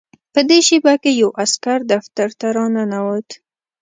په دې شېبه کې یو عسکر دفتر ته راننوت